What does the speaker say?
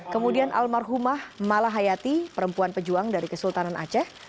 kemudian almarhumah malahayati perempuan pejuang dari kesultanan aceh